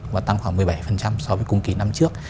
và tăng khoảng một mươi bảy so với cùng kỳ năm trước